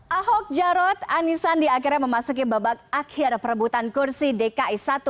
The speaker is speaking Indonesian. ahok jarot anies sandi akhirnya memasuki babak akhir perebutan kursi dki satu